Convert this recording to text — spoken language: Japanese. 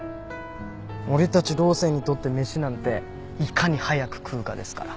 俺たちロー生にとって飯なんていかに早く食うかですから。